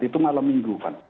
itu malam minggu van